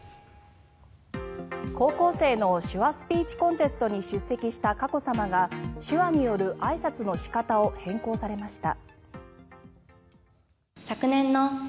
高校生の手話スピーチコンテストに出席した佳子さまが手話によるあいさつの仕方を変更されました。